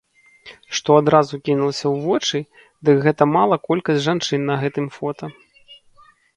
Што адразу кінулася ў вочы, дык гэтая мала колькасць жанчын на гэтым фота.